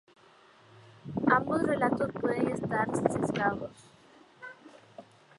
Ambos relatos pueden estar sesgados.